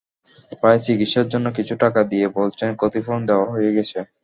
প্রায়ই চিকিৎসার জন্য কিছু টাকা দিয়ে বলছেন ক্ষতিপূরণ দেওয়া হয়ে গেছে।